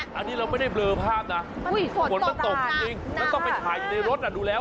อันนี้เราไม่ได้เบลอภาพนะฝนมันตกจริงแล้วต้องไปถ่ายอยู่ในรถดูแล้ว